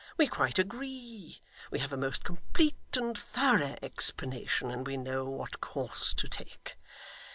We quite agree. We have a most complete and thorough explanation, and we know what course to take.